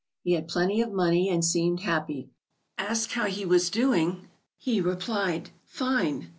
He had plenty of money and seemed happy. Asked how he was doing, he replied: "Fine!